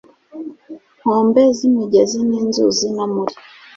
nkombe z imigezi n inzuzi no muri